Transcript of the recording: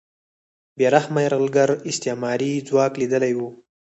بې رحمه یرغلګر استعماري ځواک لیدلی و